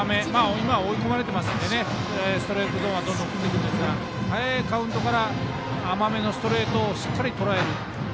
今は追い込まれてますのでストレートゾーンはどんどん振っていくんですがどんどん送っていくんですが早いカウントから甘めのストレートをしっかりとらえる